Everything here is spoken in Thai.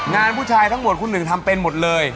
งานผู้ชายทั้งหมดคุณหนึ่งทำเป็นหมดเลย